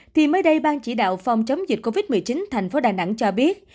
thì mới đây ban chỉ đạo phòng chống dịch covid một mươi chín thành phố đà nẵng cho biết